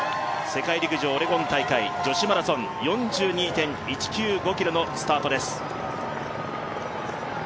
世界陸上オレゴン大会女子マラソン４２．１９５ｋｍのスタートです。